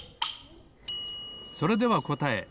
それではこたえ。